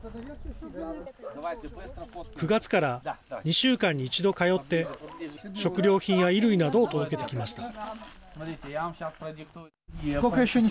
９月から２週間に一度、通って食料品や衣類などを届けてきました。